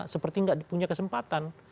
seperti nggak punya kesempatan